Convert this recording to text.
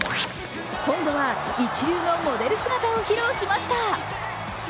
今度は一流のモデル姿を披露しました。